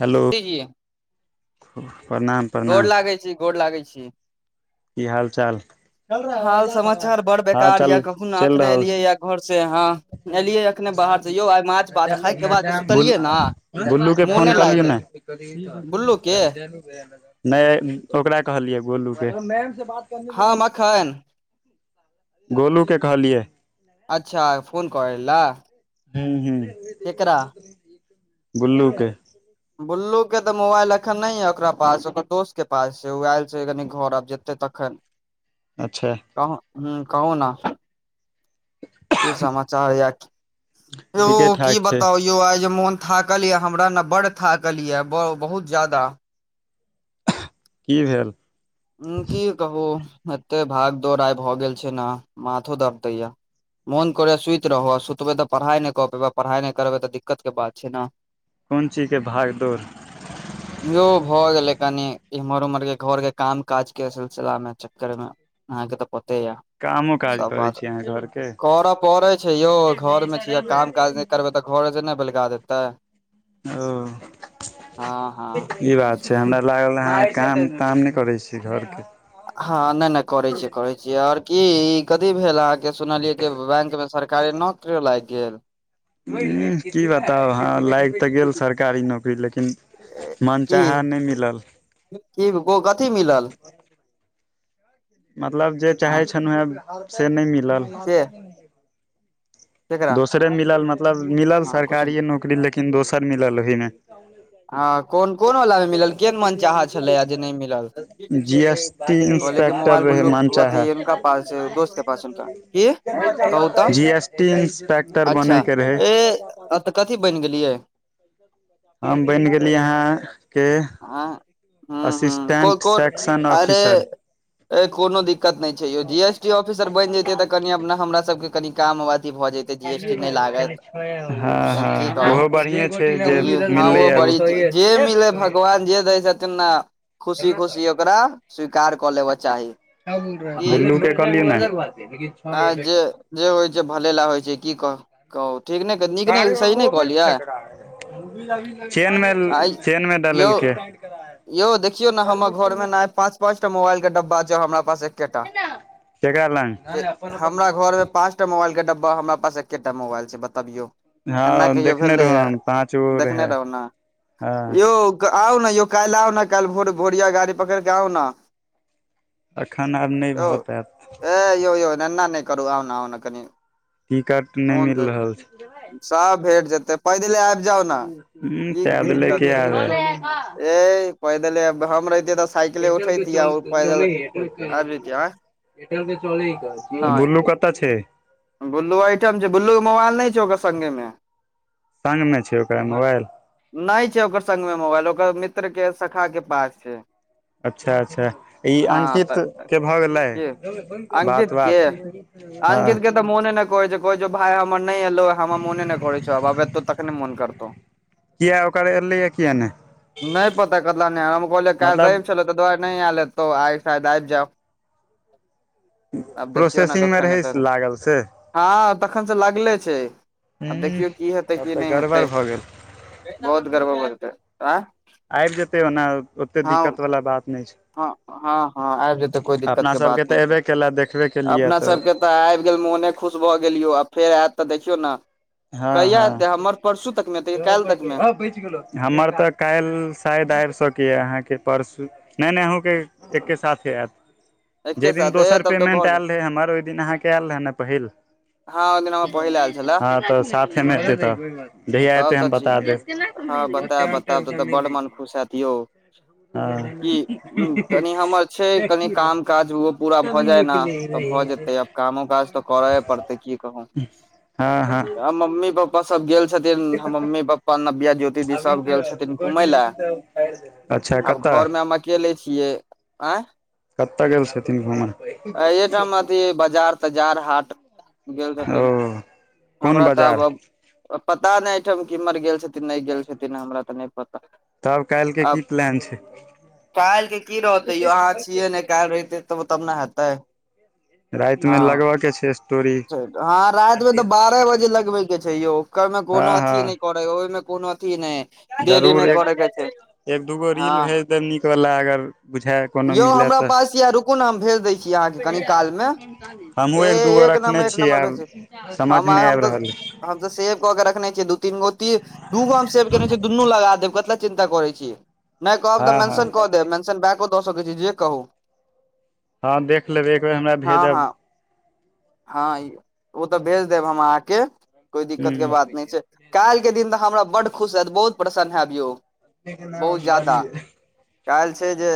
Hello जी जी प्रणाम प्रणाम गोर लागै छी गोर लागै छी की हाल चाल [unintelligible] समाचार बड़ हाल बेकार चल यऽ कखन चैल अखने रहल एलियै छै या घर से हँ एलियै अखने बाहर से यौ आइ माछ भात खाय के बाद [unintelligible] बुल सुतलियै ने बुलूके मोने फोन क लागि लियौ गेल ने [inaudible] बुल्लू के [unintelligible] नहि ओकरा कहलियै गोलू के हँ [unintelligible] मखन गोलू के कहलियै अच्छा फोन करै ला हू हू केकरा गुल्लू के गुल्लू के तऽ मोबाइल एखन नहि य ओकरा पास दोस्त के पास छै ओ आइल छै कनि घर आब जेतै तखन [inaudible] अच्छा अहा हू कहू न की समाचार या ठीके यौ की ठाक छै बताउ यौ आइ जे मोन थाकल ये हमरा ने बड़ थाकल ये बहुत ज्यादा की भेल उ की कहू एत्ते भाग दौड़ आइ भऽ गेल छै न माथो दर्द दैया मोन करेया सुति रहू ओर सुतबे तऽ पढ़ाइ नय कऽ पेबै पढ़ाइ नय करबै तऽ दिक्कत के बात छै न [inaudible] कोन चीजके भाग दौड़ औ भऽ गेले कनि इम्हर उम्हर के घर के काम काज के सिलसिला मे चक्कर मे अहाँके तऽ पते यऽ कामो काज सब करै बात छी अहाँ घर के करऽ पड़ै छै यौ घर मे छी आ काम काज नय करबै तऽ घोर जे नय बैलगा देतै ओ हँ हँ ई बात से [inaudible] हमरा लागल अहाँ काम ताम नै करै छीयै घरके हँ नय नय करै छीयै करै छीयै ओर की कथी भेल अह के सुनलियै कि बैंक में सरकारी नौकरियो लाइग गेल उह [inaudible] की बताउ हँ लाइग तऽ गेल सरकारी नौकरी लेकिन मनचाहा नइ मिलल कि [inaudible] कथी मिलल मतलब जे हँ चाहै छनुह हेँ से नय मिलल के केकरा दोसरे मिलल मतलब मिलल हँ कुछो सरकारीए नहि नौकरी लेकिन दोसर मिलल ओहिमे हँ कोन कोन वला मे मिलल केहन मन चाहा छलै जे नहि मिलल [inaudible] जी एस टी कहले कि मोबाइल इंस्पेक्टर बुल्लू मनचाहा अथी हुनका पास दोस्त के पास हुनका की कहू तऽ [inaudible] जी एस टी टी इंस्पेक्टर बनय के रहै अ तऽ कथी बैन गेलियै [inaudible] हम बैन गेली हाँ हँ हू हू कोइ कोट सेक्शन ऑफिसर अरे कोनो दिक्कत नय छै यौ जी एस टी ऑफिसर बनि जेतियै तऽ कनि अपना हमरा सभके कनी काम [unintelligible] भऽ जैतै जी एस टी नय लागत हँ तखैन कि हँ कहू ओहो बढ़िए छै जे [unintelligible] ह ओ मिललैए बड़ी जे मिलै भगवान जे दै छथिन न खुशी खुशी ओकरा स्वीकार कऽ लेब चाही की [inaudible] बिल्लू के कहलियै जे आ जे न जे होइ छै भले लै होइ छै की कह कहू ठीक ने नीक नय सही नय कहलियै [inaudible] चेनमे आ चेनमे यौ डालेलकै यौ देखियौ न हमर घर मे न पाँच पाँच टा मोबाइल के डब्बा छै हमरा पास एके टा लग हमरा घर मे पाँच टा मोबाइल के डब्बा हमरा पास एकेटा मोबाइल छै बतियौ हँ एना कहियो देखने रहौ भेलैए हम पाँच गो देखने रहै रहु न हँ यौ आउ ने यौ काल्ह आउ न काल्ह भोर भोरिया गाड़ी पकड़ कऽ आउ ने एखन आब नय भऽ पायत ह यौ यौ एना नय करू आउ ने आउ ने कनि टिकट नय मोन मिल तऽ रहल छै सब भेट जेतै पैदले आबि जाउ न ह पैद की लेके दिक्कत छै आबै ए पैदले आबि हम रहितियै तऽ साइकिले उठैतिय आओर पैदल आबि जेतियै आंय बुल्लु कऽतऽ छै बुल्लु अइठम छै बुल्लु के मोबाइल नय छौ ओकर संगे मे संग मे छै ओकरा मोबाईल नय छै ओकर संग मे मोबाइल ओकर मित्र के शखा के पास छै अच्छा अच्छा ई हँ अंकित तऽ के भऽ के गेलै बात अंकित के वात अंकित के तऽ मोने नय कहै छै कहै छै भाय हमर नय ऐलौ हमर मोऽने नय करै छौ आब ऐतौ तहने मोऽन करतौ किया ओकर ऐलैया किया नय नय पता कतऽ नय हम कहलियै काइल मतलब रबि छलै तऽ दुआरे नय आईल हेतौ आइ शायद आबि जाउ आब देखियौ ने प्रोसेसिंगमे कखन रहै ऐतय लागल से हँ तखन से लागले छै आब हूँ देखियौ की हेतै तब की तऽ नय गड़बड़ हेतै भऽ गेल बहुत गड़बड़ [unintelligible] आबि जेतै ओना ओतेक हँ दिक्कत वला बात नय छै हँ हँ हँ आबि जेतै कोइ दिक्कत अपना के सबके बात नय तऽ छै एबे केला देखबे केलियै अपना सबके तऽ आबि गेल मोने खुश भऽ गेल यौ आ फेर आयत तऽ देखियौ न हँ कहिआ हँ एतै हमर परसू तक मे एतै काल्हि तक मे बचि गेलौ हमर तऽ काल्हि शायद आबि सकैया अहाँके परसू नय नय अहूँ के एके साथे आयत एके जे दिन साथ ए दोसर तब तऽ भऽ पेमेंट आयल जेतै। रहे हमर ओहि दिन अहाँ के आयल रहे ने पहिल हँ ओहि दिन हमर पहिल आयल छलए हँ तऽ साथे मे ऐतय तब तब तऽ छी हँ बतायब बतायब तब तऽ बड्ड मन खुश हेऽत यौ हँ कि कनि हमर छै कनि काम काज ओहो पूरा भऽ जाय न तऽ भऽ जेतै आब कामो काज तऽ कऽरये पड़तै की कहू हँ हँ मम्मी पापा सब गेल छथिन हमर मम्मी पप्पा नब्या जो ती दीदी सब गेल छथिन घुमै लए अच्छा आब कतय घर मे अकेले छियै आँय कतय गेल छथिन घूमय अहिये ठाम बजार तजार हाट गेल ओ छथिन कोन हमरा तऽ बाजार आब पता नय अइठम किम्हर गेल छथिन नय गेल छथिन हमरा तऽ नय पता तब काल्हिके की आब प्लान छै काईल के की रहतै यौ अहाँस- छिय ने काईल रहीतै तऽ तब न हेतय रातिमे हँ लगबयके छै स्टोरी हँ रातिमे तऽ बारह बजे लगबै के छै यौ क हँ कोनो हँ अथि नय करै ओहिमे कोनो अथि नय देरी जरूर नय एक करै के छै एक दूगो रील हँ भेज देब नीक वला अगर बुझाए कोनो यौ मिलय हमरा तऽ पास यऽ रुकू ने हम भेज दै छी अहाँके कनि काल मे [unintelligible] हमहूँ ए एक दूगो रखने नम्बर एक छीय नम्बर आब भेज समझ नय आबि रहल यै तब सेव कऽ के रखने छियै दू तीन गो दू गो हम सेव केने छियै दुनू लगा देब कथी ले चिन्ता कऽरय छियै नय कहब तऽ हँ मेंशन कऽ हँ देब मेंशन बैको दऽ सकै छी जे कहू हँ देख लेबै एक बेर हमरा हँ भेजब हँ हँ ई ओ तऽ भेज देब हम अहाँके कोइ दिक्कत के बात नै छै काल्हि के दिन ह तऽ हमरा बड खुश हएत बहुत प्रसन्न हएब यौ। न बहुत बाद ज्यादा काल्हि छै जे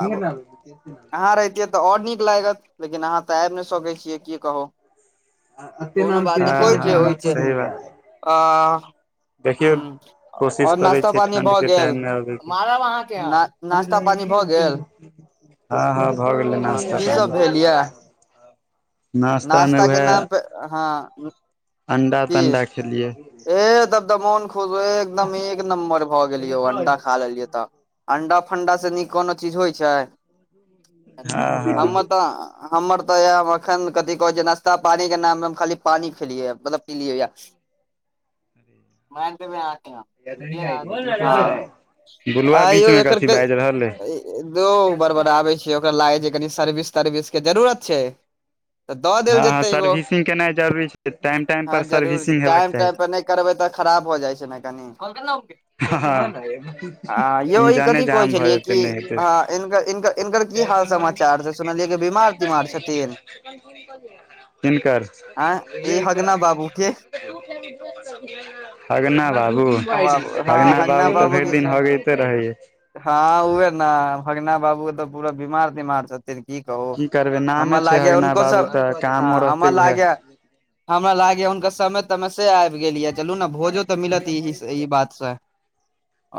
के आब नाम। [unintelligible] अहाँ रहितियै तऽ आओर नीक लागत लेकिनअहाँ तऽ आबी नै सकै छी। छियै कि कहु कोनो बात नै होइ छै होइ छै। आ हु देखियौ कोशिश आओर करै नाश्ता छियै पानी ठण्ड भऽ के टाइम गेल मे अबैके मारब अहाँ के हम नाशता पानी भए गेल हँ हँ भऽ गेलै हँ नास्ता की सब भेल पानी या नास्ता मे नाश्ता के नाम पे हँ। अण्डा की तण्डा खेलियै।। ए तब तऽ मोन खुश हो एकदम एक नम्बर भऽ गेलयौ अंडा खा लेलियै तऽ। अंडा फण्डा सँ नीक कोनो चीज होइ छै हँ हँ हमर त हमर तऽ याब एखन कथी कहै छै नाश्ता पानी के नाममे हम खाली पानी खेलियै मतलब पिलियै या। मैर तमे हम अहा के हँ। [unintelligible] बुलुआ आ बीच यौ मे एकर कथी क बाजि रहल अइ बरबराबै छै। कि ओकर लागै छै जे कनि सर्विस तर्विस के जरुरत छैय। हँहँ सर्विसिंग केनाइ जरूरी छै टाइम टाइम पर सर्विसिंग हेबाक चाही। नै करबै तऽ खराब भ जाइ छै नै कनि। हँ हँ आ यौ ई इंजने कथी कहै जाम भऽ छलियै कि जेतै नै हेतै हँ त इनकर इनकर इनकर की हाल सुनबे। समाचार छै सुनलियै कि बीमार तीमार छथिन किनकर। आँय ई हगना बाबू के हगना बाबु।। बाबू हँ हगना बाबू तऽ भरि के दिन हगयते रहैययैछ हँ उहे न हगना बाबू के तऽ पूरा बीमार तीमार छथि। की कहू करबै हमा नामे छै लागै या अगना हुनको बाबू सब तऽ हँ कामो हमा रहतै उएह लागै। हमरा लागैया हुनका समय तमय से आबि गेलीय चलु न भोजो तऽ मिलत ई बात स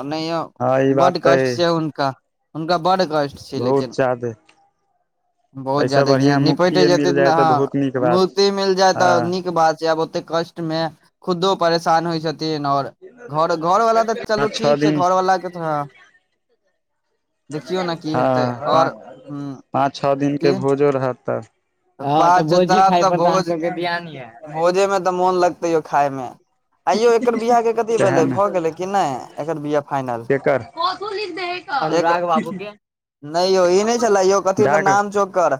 ओनायो हँ ई बढ़ बात तऽ कष्ट अइ छै हुनका हुनका बढ़ कष्ट छै लेकिन। बहुत जादे [inaudible] बहुत एहिसँ जायदा बढ़िआँ निपट मुक्तिए जेतै मिल जाय हँ तऽ बहुत नीक बात मूकर्ति मिल जाय तऽ हँ नीक बात छै आब ओते कष्ट। मे खुदो परेशान होइ छथिन आओर। घर घरवाला तऽ चलु पाँच छओ ठीक छै दिन घरवलाक के थऽ। देखियौ न की हँ हेतै आओर पाँच हुँ। पाँच छ दिनके भोजो रहत तऽ। हँ भोजे भोजे मे तऽ मोन लगतै यौ खाय मे। आइयौ एकर बिआह कथी सएह भेलै ने भऽ गेलै कि नै एकर बिआह फाइनल। कोथू लिखदै है क नै यौ ई नै छलए यौ कथी त डाक नाम छै ओकर।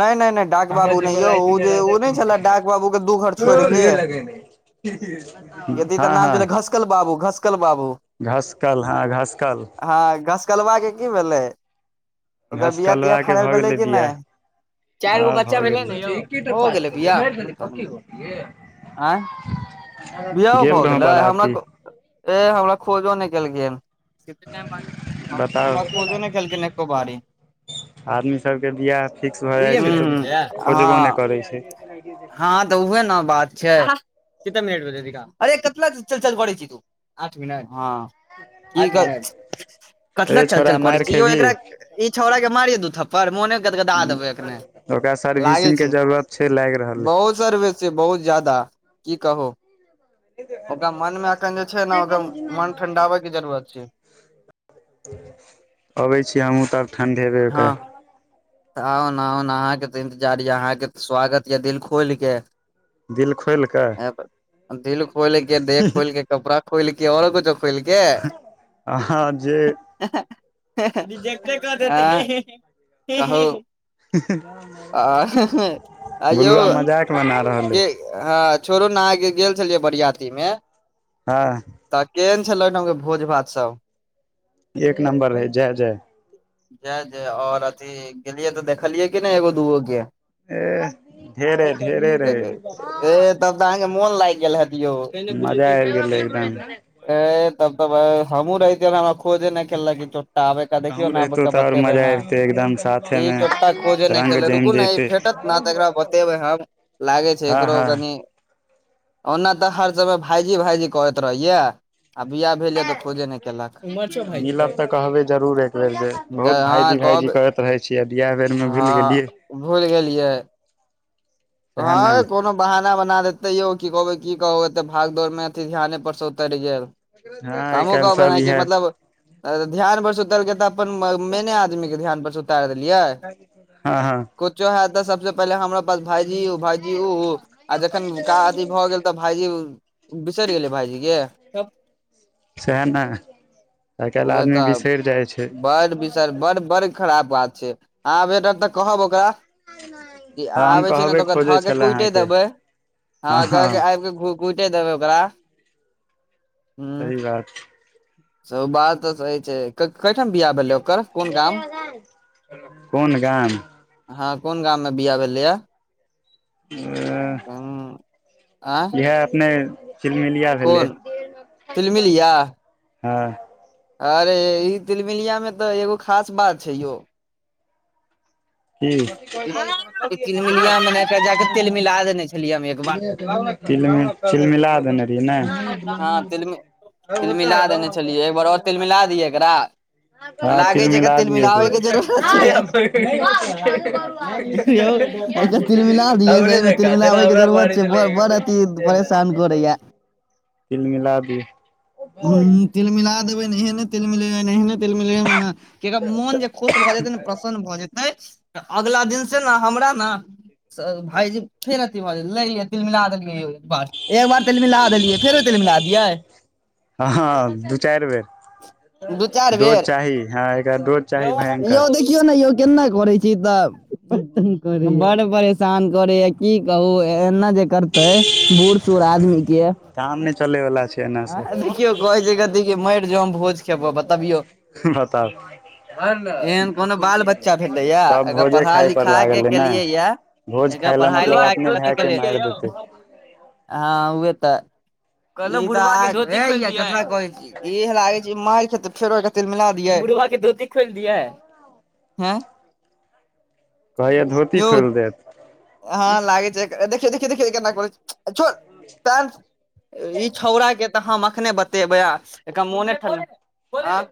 नै नै नै डाक बाबू नै यौ ओ जे ओ नै छलय डाक बाबूके दू घर छोड़ केऽ। यदि हँ तऽ नाम छलै घसकल बाबू घसकल बाबू। घासकल्हा घासकल। हँ घसकलवा के की भेलै ओकर बिया तिया घसकलुआ के फैनल भऽ भेलै गेलै कि नै। बियाह चार गो हँ बच्चा भऽ भेलै ने यौ गेलै हो गेलै बियाह मन [unintelligible] आँय बियाहो गेल भऽ रहौं गेलै हमरा बराती को ए हमरा खोजो नै केलखिन। बताउ हमरा खोजो नहि केलखिन एको बारी। आदमी सभके बियाह फिक्स भऽ दुइये जाइ छै मिनट भेलैये तऽ खोजबो हँ नहि करैत छै। हँ तऽ उह ने बात छै केते मिनट अरे कतना चलचल करै छी तू। आठ मिनट हँ कतला रे छौड़ा चलचल करै मारि छी यौ खेबही एकरा ई छौड़ा के मारिये दू थप्पड़ मोने गदगदा देबै ह एखने ओकरा सर्विसिंग के जरूरत छै लागि रहलै। सर्वे से बहुत जाददा की कहो ओकरा मनमे एखन जे छै ने ओकररा मन ठण्डाबय के जरूरत छै अबै छी हमहहुँ तब ठण्ढेबे ओकरा आउन आउन अहाँके तऽ इन्तजार यऽ अहाँ के त स्वागत यऽ दिल खोलि के दिल खोलि कऽ ह दिल खोलके देह खोलके कपड़ा खोलके आओरो कछो खोलके अहाँ जे [unintelligible] कहु आ यौ बुलुआ मजाक बना रहल अइ जे हँ छोड़ू नह गेल छलियै बरियाती मे हँ तऽ केहन छलै ओहिठामके भोज भात सब एक नम्बर रहै जय जय जय जय आओर अथी गेलियै तऽ देखलियै कि नहि एगो दूगो के ए ढेरे ढेरे तब रहै तऽ अहाँके मोन लागि गेल हेत यौ मजा आबि गेलै एकदम तब त हम्मू रह गलो खोजे नहि खेललक चोटा आबे क देखिय ने आब के बतेबै ने [unintelligible] साथ ई चोटा खोजे नहि खेले रुकु ने ई भेटत ने त एकरा बतेबेै हम लागै छै हँ एकरो हँ कनि ओना तऽ हर गजह भाइजी भाइजी करैत रहहियै आ बिआाह भेल या तऽ खोजे नहि केलक मिलब तऽ कहबै जरूर एक बेेर जे मुदा बहुत अहा भायजी भायजी कहब करैत रहै छियै बिहा बेर म हँ भूलि गेलियै सएह ने [unintelligible] कोनो बहाना बना देते यौ की कहबे की कह एते भाग दौड़ मे अथी ध्यान पर से उतरि गेल हँ तऽ आइ हमहुँ काल्हि सब कहबना कि इएह मतलब ध्यान पर सुतलके तऽ अपन मैने आदमी के धान पर उत देलियै हँ हँ कुछो ह त सबस पहिले हमरा पास भाईजी भाईजी उ आ जखना अथ भऽ गेल तऽ भाईजी बिसरि गेले भाईजी के सएह ने आइकाल्हि आदमी बिसरि जाइ छै चल बड़ बड़ खराब बात छै अहाँ भेट तऽ कहब ओकरा अब हँ हम अबे छिय ने तऽ कहबे ओकरा खोजै धऽ के छलए कुटे अहाँके देबे ह हँ हँ के आब के कुटे देबे ओकरा ह सही बात स बात तऽ सही छै कठाम बिआाह भेल ओकर कोन गाम कोन गाम हँ कोन गाम में बिहा भेले हा [unintelligible] हँ आ इएह अपने तिलमिलिया भेलै तिलमिलिया हँ अरे ई तिलमिलिया में तऽ एगो खास बात छै यौ कि तिलमिलिया मे ने जाके तेल मिला देने छलियै हम एक [inaudible] बार तिलमि तिलमिला देने [inaudible] हँ तिलमि तिलमिला देने छलियै एक बार और तिलमिला दियै एकरा हँ लागे छै तिलमिला एकर दियए [inaudible] तिलमिलाबै के जरूरत छै यौ एकर तिलमिला दियै सही मे तिलमिलाबै के जरूरत छै बड़ बड़ [inaudible] परेशान करैया तिलमिला दियै ह तिलमिला देबै एहने तिल मिलेबै एहने तिलमिलेबै न कि एकर मन जे खुश भऽ जेतै न भऽ जेतै अगला दिन से ने हमरा न भाइजी फेर अथी भऽ जेतै तिल मिला देलियै एक बार त। तिल मिला देलिय फेरो तिल मिला दियै हँ हँ दू चारि बेर दू चारि डोज बेर चाही ह एकरा डोज चाही भयंकर यौ देखियौ ने यौ केना करै छै इ सब बड़ परेशान करैए की कहू एना जे करतै बूढ़ सूढ़ आदमी के काम ने चलेवला छै एना से आ देखियौ कहे छै कथी मरि जो हम भोज खेबो बतबियो बताब एहन कोनो बाल बच्चा भेलैया सब एकरा भोजे पढ़ा खाय पर लिखा के लागल हय न केलियै या भोज एकरा खाय लए पढ़ाई मतलब लिखाई अपने भाय के कते मारि केलियै देतै हँ उहे तऽ [inaudible] फेरो एकरा तील मिला दियै बुढ़वा के धोती खोलि दियै एं कहैया धोती यौ खोलि देत हँ लागै छै देखियउ देखियउ देखियउ केना करै छै [inaudible] छोड़ ई छौड़ा के तऽ हम अखने बतेबै एकर मोने ठंडा